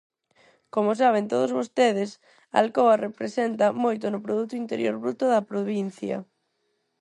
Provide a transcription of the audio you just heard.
Como saben todos vostedes, Alcoa representa moito no produto interior bruto da provincia.